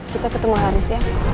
kita ketemu haris ya